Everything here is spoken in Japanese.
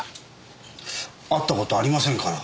会った事ありませんから。